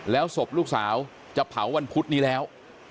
แล้วศพลูกสาวจะเผาวันพุธนี้แล้ว